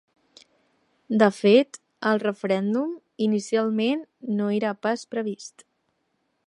De fet, el referèndum, inicialment no era pas previst.